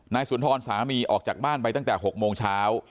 สุนทรสามีออกจากบ้านไปตั้งแต่๖โมงเช้า